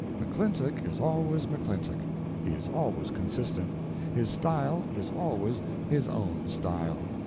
McClintock is always McClintock, he is always consistent, his style is always his own style.